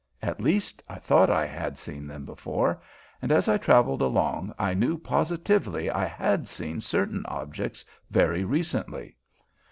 At least, I thought I had seen them before, and as I traveled along I knew positively I had seen certain objects very recently.